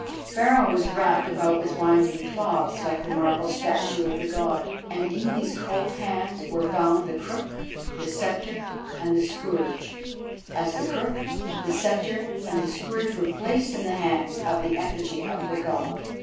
Pharaoh was wrapped about with winding clothes like the marble statue of the God, and in his cold hands were bound the crook, the sceptre, and the scourge, as the crook, the sceptre, and the scourge were placed in the hands of the effigy of the God.